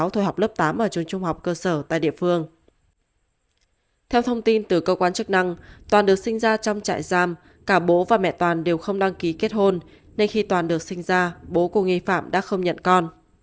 theo thông tin từ cơ quan chức năng toàn được sinh ra trong trại giam cả bố và mẹ toàn đều không đăng ký kết hôn nên khi toàn được sinh ra bố cô nghi phạm đã không nhận con